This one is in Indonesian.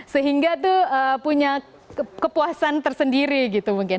sehingga tuh punya kepuasan tersendiri gitu mungkin